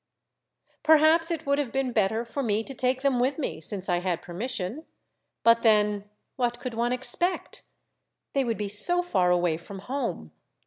Perhaps it would have been better for me to take them with me, since I had permission. But then, Aboard: A Monologue. 187 what could one expect? They would be so far away from home.